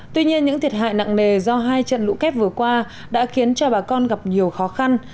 tuy nhiên những thiệt hại nặng nề do hai trận lũ kép vừa qua đã khiến cho bà con gặp nhiều khó khăn